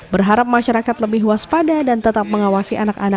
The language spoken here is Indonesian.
berharap masyarakat lebih waspada dan tetap mengawasi